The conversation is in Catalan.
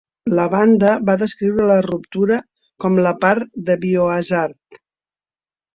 La banda va descriure la ruptura com la part de Biohazard.